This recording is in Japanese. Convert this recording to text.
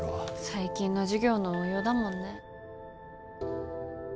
最近の授業の応用だもんね。